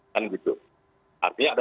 kan gitu artinya ada